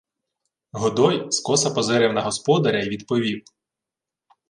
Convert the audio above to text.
Годой скоса позирив на господаря й відповів: